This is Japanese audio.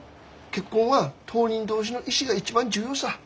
結婚は当人同士の意思が一番重要さ。